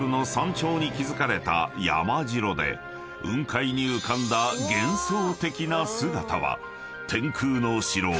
［雲海に浮かんだ幻想的な姿は］